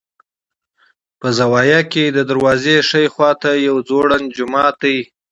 په زاویه کې د دروازې ښي خوا ته یو ځوړند جومات دی.